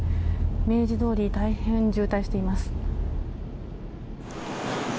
明治通り、大変渋滞しています。